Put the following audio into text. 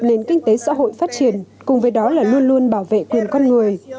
nền kinh tế xã hội phát triển cùng với đó là luôn luôn bảo vệ quyền con người